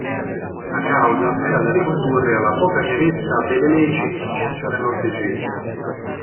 La causa era da ricondurre alla poca chiarezza delle leggi di successione norvegesi.